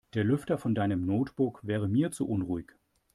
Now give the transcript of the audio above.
Der Lüfter von deinem Notebook wäre mir zu unruhig.